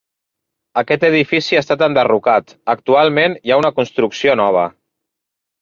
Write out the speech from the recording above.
Aquest edifici ha estat enderrocat, actualment hi ha una construcció nova.